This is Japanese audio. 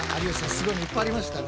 すごいのいっぱいありましたね。